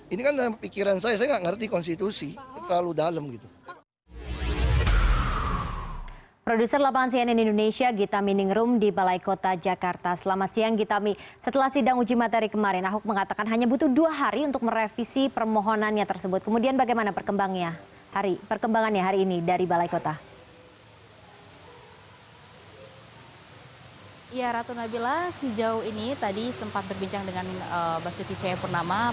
ini kan dalam pikiran saya saya tidak mengerti konstitusi terlalu dalam